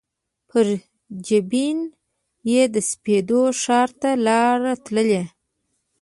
پر جبین یې د سپېدو ښار ته لار تللي